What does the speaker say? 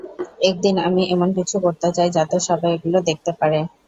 একদিন আমি এমন কিছু করতে চাই যাতে সবাই এগুলো দেখতে পারে।